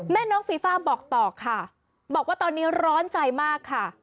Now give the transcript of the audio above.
น้องฟีฟ่าบอกต่อค่ะบอกว่าตอนนี้ร้อนใจมากค่ะ